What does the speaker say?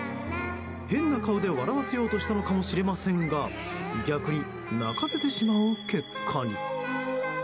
変な顔で笑わせようとしたのかもしれませんが逆に泣かせてしまう結果に。